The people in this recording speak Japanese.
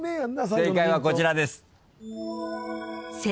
正解はこちらです。